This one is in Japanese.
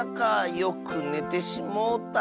よくねてしもうた。